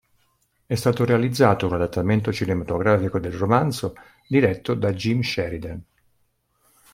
È stato realizzato un adattamento cinematografico del romanzo diretto da Jim Sheridan.